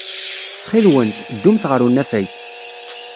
Ttxil-went, ddumt ɣer unafag.